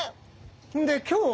で今日は。